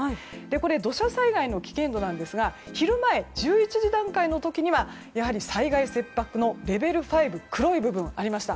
これは土砂災害の危険度ですが昼前、１１時段階の時は災害切迫のレベル５の黒い部分がありました。